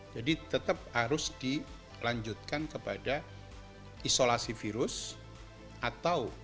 jadi tetap harus dilanjutkan kepada isolasi virus atau deteksi molekular dari virus itu yang disebut dengan pcr